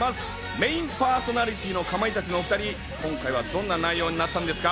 メインパーソナリティーのかまいたちのお２人、今回はどんな内容になったんですか？